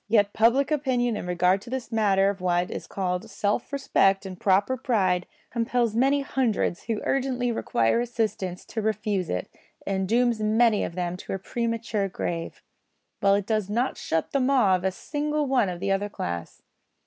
Yet public opinion in regard to this matter of what is called self respect and proper pride compels many hundreds who urgently require assistance to refuse it, and dooms many of them to a premature grave, while it does not shut the maw of a single one of the other class.